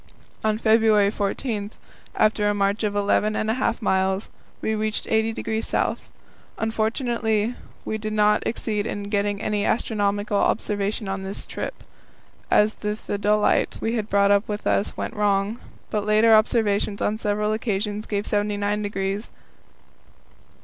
On February 14, after a march of eleven and a half miles, we reached 80° S. Unfortunately we did not succeed in getting any astronomical observation on this trip, as the theodolite we had brought with us went wrong, but later observations on several occasions gave 79° 59' S.